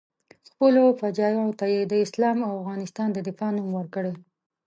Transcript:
خپلو فجایعو ته یې د اسلام او افغانستان د دفاع نوم ورکړی.